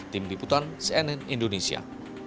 tim liputan cnn indonesia